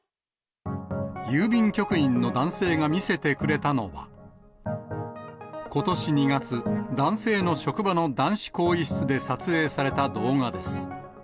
郵便局員の男性が見せてくれたのは、ことし２月、男性の職場の男子更衣室で撮影された動画です。